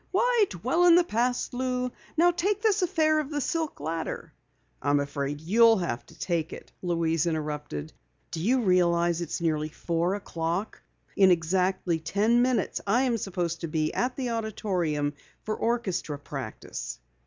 "Why dwell in the past, Lou? Now take this affair of the silk ladder " "I'm afraid you'll have to take it," Louise interrupted. "Do you realize it's nearly four o'clock? In exactly ten minutes I am supposed to be at the auditorium for orchestra practice."